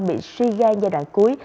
bị suy gan giai đoạn cuối